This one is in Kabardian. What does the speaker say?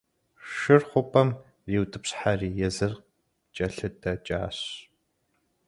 Шыр хъупӀэм ириутӀыпщхьэри, езыр кӀэлъыдэкӀащ.